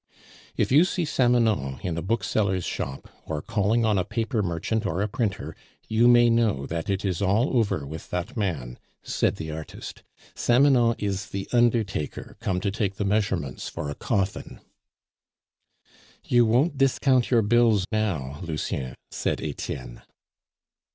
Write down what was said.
"If you see Samanon in a bookseller's shop, or calling on a paper merchant or a printer, you may know that it is all over with that man," said the artist. "Samanon is the undertaker come to take the measurements for a coffin." "You won't discount your bills now, Lucien," said Etienne.